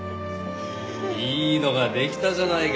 いいのが出来たじゃないか。